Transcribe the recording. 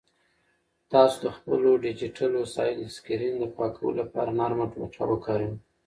تاسو د خپلو ډیجیټل وسایلو د سکرین د پاکولو لپاره نرمه ټوټه وکاروئ.